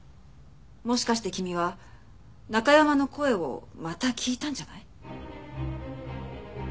もしかして君はナカヤマの声をまた聞いたんじゃない？